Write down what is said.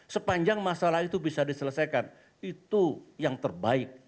sepanjang masalah itu bisa diselesaikan itu yang terbaik